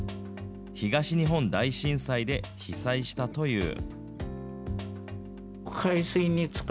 東日本大震災で被災したという。